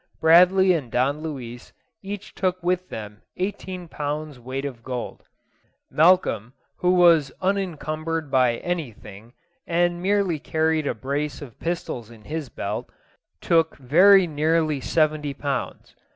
Bradley and Don Luis each took with them eighteen pounds weight of gold; Malcolm, who was unencumbered by anything, and merely carried a brace of pistols in his belt, took very nearly seventy pounds.